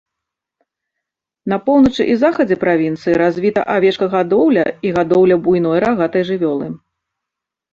На поўначы і захадзе правінцыі развіта авечкагадоўля і гадоўля буйной рагатай жывёлы.